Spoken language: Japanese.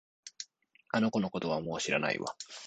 あの子のことはもう知らないわ